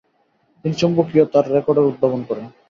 তিনি চৌম্বকীয় তার রেকর্ডার উদ্ভাবন করেন।